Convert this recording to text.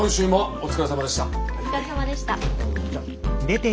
お疲れさまでした。